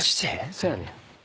そやねん。